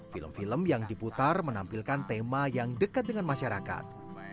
film film yang diputar menampilkan tema yang dekat dengan masyarakat